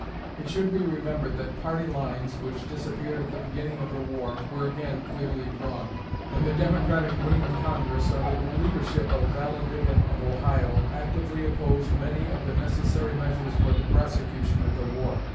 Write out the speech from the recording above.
It should be remembered that party lines, which disappeared at the beginning of the war, were again clearly drawn; and the Democratic wing of Congress, under the leadership of Vallandigham of Ohio, actively opposed many of the necessary measures for the prosecution of the war.